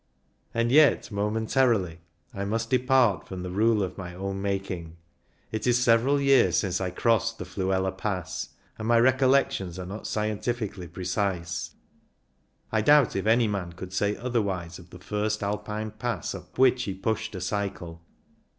And yet, momentarily, I must depart from the rule of my own making. It is several years since I crossed the Fluela Pass, and my recollections are not scien tifically precise. I doubt if any man could say otherwise of the first Alpine pass up which he pushed a cycle.